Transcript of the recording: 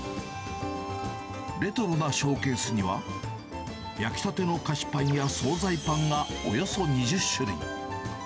レトロなショーケースには、焼きたての菓子パンや総菜パンがおよそ２０種類。